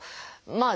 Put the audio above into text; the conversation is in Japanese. まあ